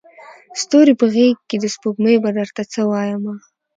ستوري په غیږکي د سپوږمۍ به درته څه وایمه